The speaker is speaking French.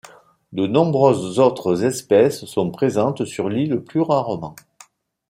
De nombreuses autres espèces sont présentes sur l'île plus rarement.